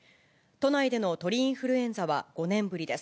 都内での鳥インフルエンザは５年ぶりです。